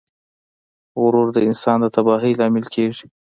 غرور د انسان د تباهۍ لامل کیږي.